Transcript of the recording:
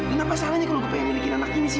untuk mencoba atau menyelesaikan saya